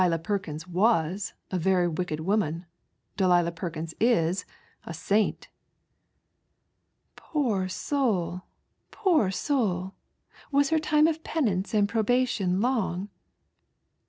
H " Delia Perkins was — a very wicked woman ; Delia Perkins is — a saint." " Poor soul ! poor soul ! Was her time of penance and probation long